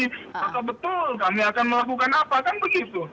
apakah betul kami akan melakukan apa kan begitu